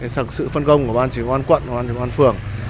thực sự phân công của ban chỉ ngoan quận và ban chỉ ngoan phường